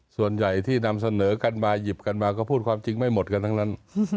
ส่วนใหญ่ที่นำเสนอกันมาหยิบกันมาก็พูดความจริงไม่หมดกันทั้งนั้น